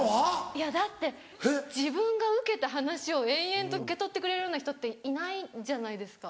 いやだって自分がウケた話を延々と受け取ってくれるような人っていないじゃないですか。